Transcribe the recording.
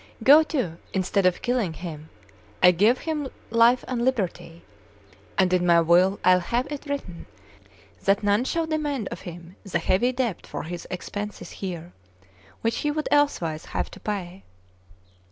Go to! instead of killing him, I give him life and liberty: and in my will I'll have it written that none shall demand of him the heavy debt for his expenses here which he would elsewise have to pay."